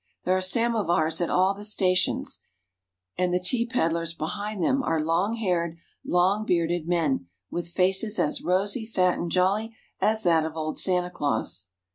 There are samovars at all the stations, and the tea peddlers behind them are long haired, long bearded men, with faces as rosy, fat, and jolly as that of old Santa Claus.